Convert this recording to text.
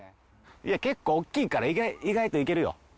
結構大きいから意外といけるよ。